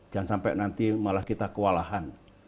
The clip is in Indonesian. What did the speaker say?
jangan sampai nanti malah kita kewalahan